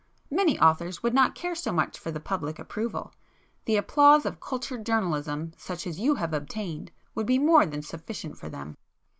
Many authors would not care so much for the public approval; the applause of cultured journalism such as you have obtained, would be more than sufficient for them."